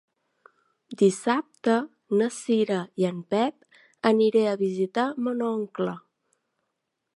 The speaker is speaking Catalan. Dissabte na Cira i en Pep aniré a visitar mon oncle.